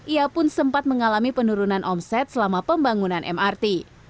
ia pun sempat mengalami penurunan omset selama pembangunan mrt